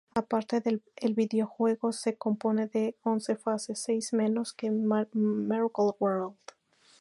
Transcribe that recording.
Aparte, el videojuego se compone de once fases, seis menos que "Miracle World".